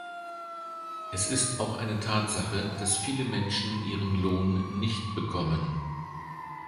Es ist auch eine Tatsache, dass viele Menschen ihren Lohn nicht bekommen.